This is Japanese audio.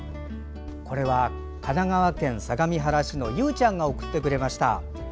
神奈川県相模原市のゆうちゃんが送ってくれました。